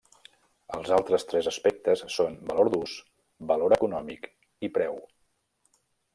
Els altres tres aspectes són valor d'ús, Valor econòmic, i preu.